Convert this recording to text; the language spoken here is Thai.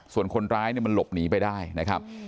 ส่วนคนร้ายเนี่ยมันหลบหนีไปได้นะครับ